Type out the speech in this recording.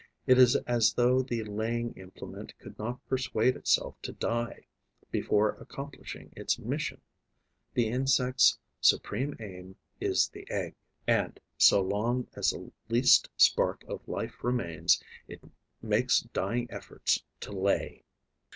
It is as though the laying implement could not persuade itself to die before accomplishing its mission. The insect's supreme aim is the egg; and, so long as the least spark of life remains, it makes dying efforts to lay.